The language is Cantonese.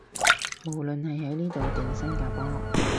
無論係喺呢度定新加坡